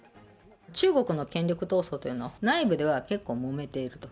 中国の権力闘争っていうのは、内部では結構もめていると。